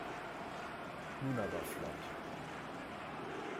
Nun aber flott!